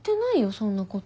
そんなこと。